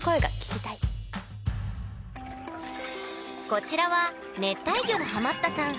こちらは熱帯魚のハマったさん